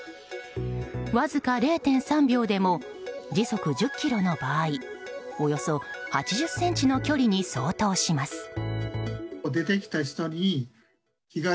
わずか０．３秒でも時速１０キロの場合およそ８０ｃｍの距離に相当します。